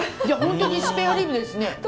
じゃ本当にスペアリブですね。